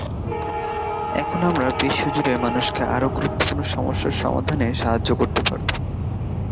এখন আমরা বিশ্বজুড়ে মানুষকে আরও গুরুত্বপূর্ণ সমস্যার সমাধানে সাহায্য করতে পারব।